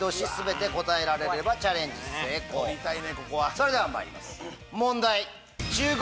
それではまいります。